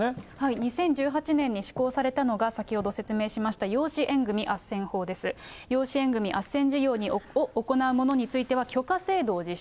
２０１８年に施行されたのが、先ほど説明しました養子縁組あっ養子縁組あっせん事業を行う者については、許可制度を実施。